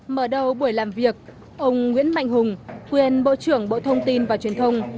mở đầu buổi làm việc ông nguyễn mạnh hùng quyền bộ trưởng bộ thông tin và truyền thông